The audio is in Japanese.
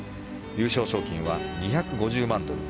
優勝賞金は２５０万ドル